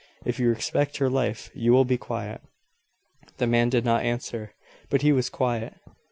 If you respect her life you will be quiet." The man did not answer, but he was quiet.